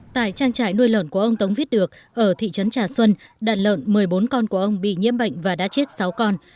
tại trang trại nuôi lợn của ông tống viết được ở thị trấn trà xuân đàn lợn một mươi bốn con của ông bị nhiễm bệnh và đã chết sáu con